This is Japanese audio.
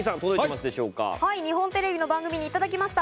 日本テレビの番組にいただきました。